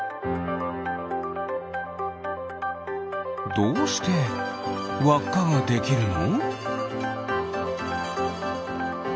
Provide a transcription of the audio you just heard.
どうしてわっかができるの？